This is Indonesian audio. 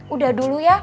udah dulu ya